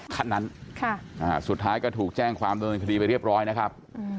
ขั้นนั้นสุดท้ายก็ถูกแจ้งความโดนคดีไปเรียบร้อยนะครับ